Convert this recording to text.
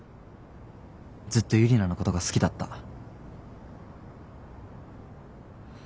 ずっとユリナのことが好きだった。